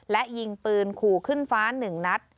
และยิงปืนขู่ขึ้นฟ้า๑นัด